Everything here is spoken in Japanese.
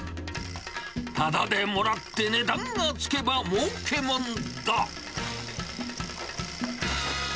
ただでもらって値段がつけばもうけもんだ。